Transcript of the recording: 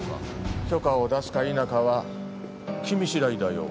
許可を出すか否かは君しだいだよ。